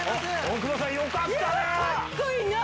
大久保さんよかったな！